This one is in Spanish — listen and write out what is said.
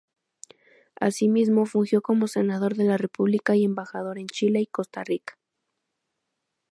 Asimismo fungió como senador de la República y embajador en Chile y Costa Rica.